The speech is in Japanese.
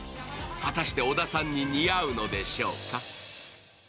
果たして小田さんに似合うのでしょうか？